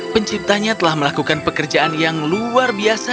penciptanya telah melakukan pekerjaan yang luar biasa